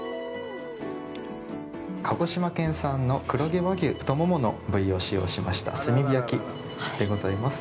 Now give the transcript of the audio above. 鹿児島県産の黒毛和牛、太ももの部位を使用しました炭火焼きでございます。